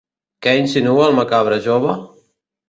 Què insinua el macabre jove?